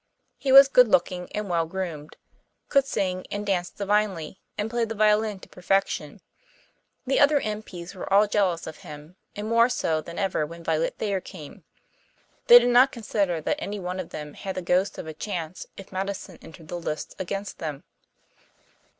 He was good looking and well groomed could sing and dance divinely and play the violin to perfection. The other M.P.s were all jealous of him, and more so than ever when Violet Thayer came. They did not consider that any one of them had the ghost of a chance if Madison entered the lists against them.